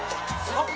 あっ！